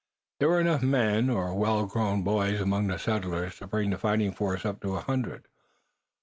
There were enough men or well grown boys among the settlers to bring the fighting force up to a hundred.